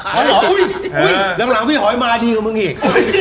หลังพี่โหยมาดีกว่ามึงอีก